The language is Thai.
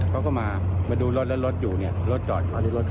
เขาก็มาดูรถแล้วรถอยู่เนี่ยรถจอด